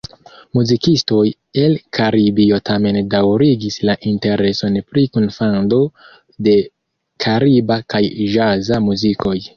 Muzikistoj el Karibio tamen daŭrigis la intereson pri kunfando de kariba kaj ĵaza muzikoj.